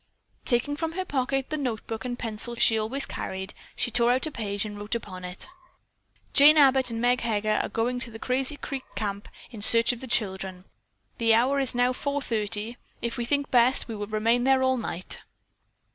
Taking from her pocket the notebook and pencil she always carried, she tore out a page and wrote upon it: "Jane Abbott and Meg Heger are going to the Crazy Creek Camp in search of the children. The hour is now 4:30. If we think best, we will remain there all night."